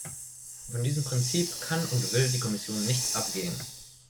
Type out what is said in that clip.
Von diesem Prinzip kann und will die Kommission nicht abgehen.